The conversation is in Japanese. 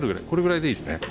これぐらいでいいですね。